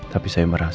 tapi saya merasa